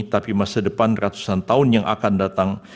tapi masa depan ratusan tahun yang akan datang